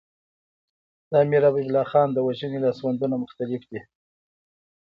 د امیر حبیب الله خان د وژنې لاسوندونه مختلف دي.